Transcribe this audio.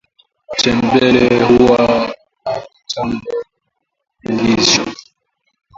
matembele huwa na virutub vingiisho